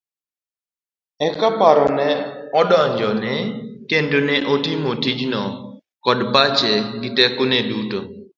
Eka paro ne odonjone kendo ne otimo tijno kod pache gi teko ne duto.